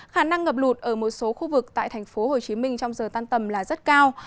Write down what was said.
khả năng ngập lụt ở một số khu vực tại tp hcm trong giờ tan tầm là rất cao